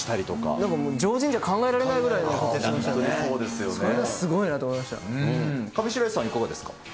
でももう、常人じゃ考えられないぐらいなことしてましたよね、すごいなと思上白石さん、いかがですか。